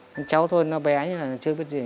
con cháu thôi nó bé như là chưa biết gì